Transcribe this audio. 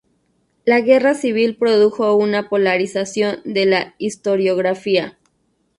La Guerra Civil produjo una polarización de la historiografía.